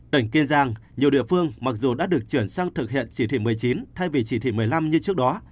tỉnh kiên giang nhiều địa phương mặc dù đã được chuyển sang thực hiện chỉ thị một mươi chín thay vì chỉ thị một mươi năm như trước đó